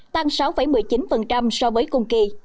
tăng sáu một mươi chín so với cùng kỳ